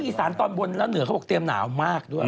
อีสานตอนบนแล้วเหนือเขาบอกเตรียมหนาวมากด้วย